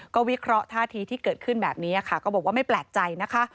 ก็วิเคราะห์ท่าทีที่เกิดขึ้นแบบนี้ค่ะก็บอกว่าไม่แปลกใจนะคะ